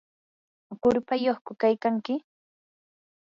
¿qurpayyuqku kaykanki?